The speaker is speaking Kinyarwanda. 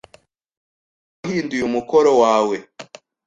Ntabwo wahinduye umukoro wawe.